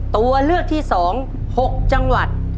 ตัวเลือกที่๒๖จังหวัด